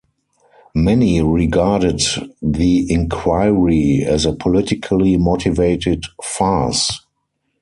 Many regarded the inquiry as a politically motivated farce.